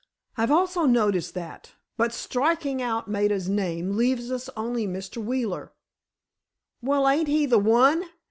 "I've also noticed that. But, striking out Maida's name, leaves us only Mr. Wheeler." "Well, ain't he the one?